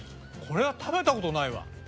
これは食べた事ないわ。